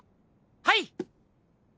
はい。